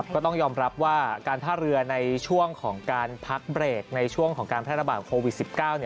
ก็ต้องยอมรับว่าการท่าเรือในช่วงของการพักเบรกในช่วงของการแพร่ระบาดโควิด๑๙